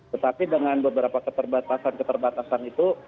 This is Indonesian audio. tetapi dengan beberapa keterbatasan keterbatasan itu